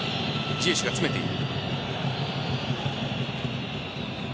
ジエシュが詰めている。